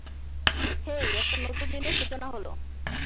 হেই, একটা নতুন দিনের সূচনা হলো।